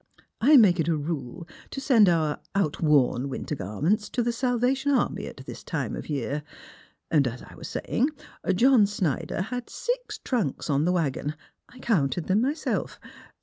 I make it a rule to send our outworn winter gar ments to the Salvation Army at this time of the year. And, as I was saying, John Snider had six trunks on the wagon. I counted them myself.